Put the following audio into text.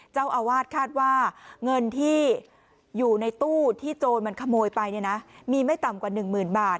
เจ้าอาวาสคาดว่าเงินที่อยู่ในตู้ที่โจรมันขโมยไปเนี่ยนะมีไม่ต่ำกว่าหนึ่งหมื่นบาท